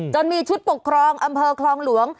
มีชุดปกครองอำเภอคลองหลวง